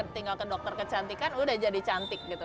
tinggal ke dokter kecantikan udah jadi cantik gitu